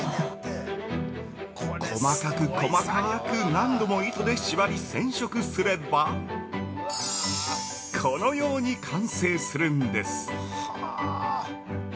◆細かく細かく何度も糸で縛り、染色すればこのように完成するんです。